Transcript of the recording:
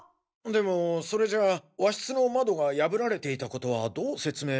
でもそれじゃあ和室の窓が破られていた事はどう説明。